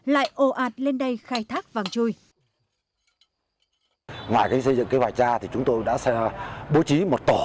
lại ồ ạt lên đây khai thác vàng chui